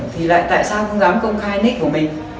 thì lại tại sao không dám công khai nịch của mình